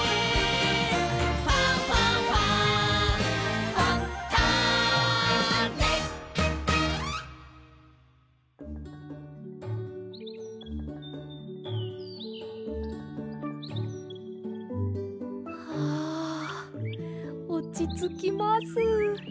「ファンファンファン」はあおちつきます。